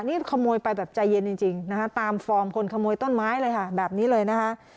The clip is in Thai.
นี่ขโมยไปแบบใจเย็นจริงนะคะตามฟอร์มคนขโมยต้นไม้เลยค่ะแบบนี้เลยนะคะ